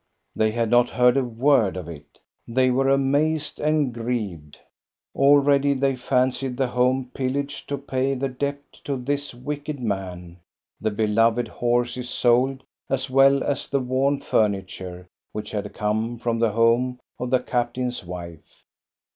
They had not heard a word of it They were amazed and grieved. Already they fancied the home pillaged to pay the debt to this wicked man ; the beloved horses sold, as well as the worn furniture which had come from the home of the captain's wife.